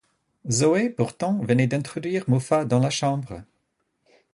Zoé, pourtant, venait d'introduire Muffat dans la chambre.